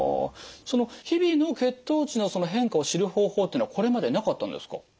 その日々の血糖値のその変化を知る方法っていうのはこれまでなかったんですか？